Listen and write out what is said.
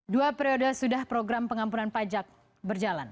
dua periode sudah program pengampunan pajak berjalan